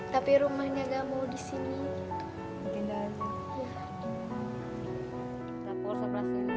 tapi rumahnya nggak mau di sini